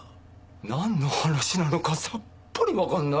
なんの話なのかさっぱりわからない。